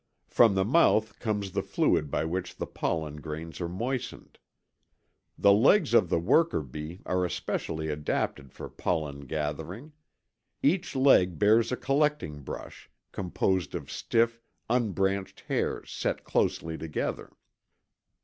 From the mouth comes the fluid by which the pollen grains are moistened. The legs of the worker bee are especially adapted for pollen gathering. Each leg bears a collecting brush, composed of stiff, unbranched hairs set closely together.